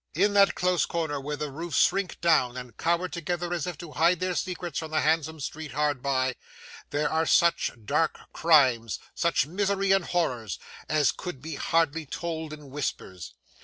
In that close corner where the roofs shrink down and cower together as if to hide their secrets from the handsome street hard by, there are such dark crimes, such miseries and horrors, as could be hardly told in whispers.